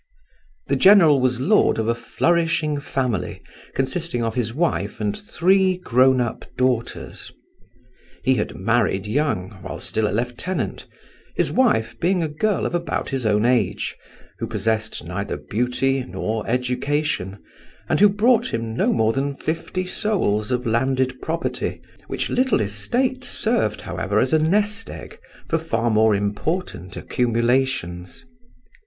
The general was lord of a flourishing family, consisting of his wife and three grown up daughters. He had married young, while still a lieutenant, his wife being a girl of about his own age, who possessed neither beauty nor education, and who brought him no more than fifty souls of landed property, which little estate served, however, as a nest egg for far more important accumulations.